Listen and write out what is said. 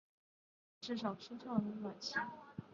至少车上有暖气